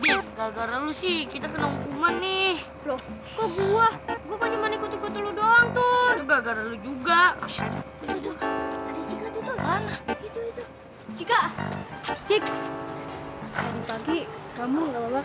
enggak sama warriors kita pernah hukuman nih loh gua gua langsung aja itu juga tuggang masih